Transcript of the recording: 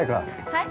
◆はい？